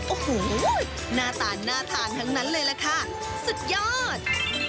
โอ้โหหน้าตาน่าทานทั้งนั้นเลยล่ะค่ะสุดยอด